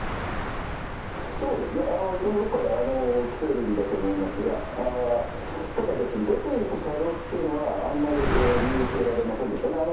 そうですね、いろんな所から来ているんだと思いますが、ただ、出ていく車両というのは、あんまり見受けられませんでしたね。